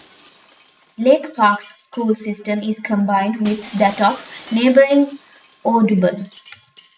Lake Park's school system is combined with that of neighboring Audubon.